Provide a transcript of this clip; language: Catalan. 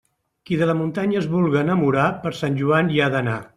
Qui de la muntanya es vulga enamorar, per Sant Joan hi ha d'anar.